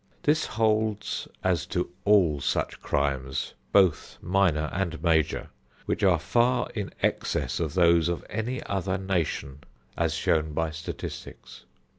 This holds as to all such crimes, both minor and major, which are far in excess of those of any other nation, as shown by statistics.